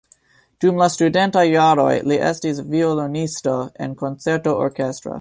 Dum la studentaj jaroj li estis violonisto en koncerta orkestro.